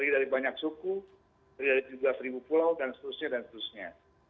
dari banyak suku dari juga seribu pulau dan seterusnya